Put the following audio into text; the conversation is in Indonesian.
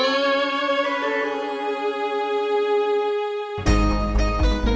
aku sudah berhenti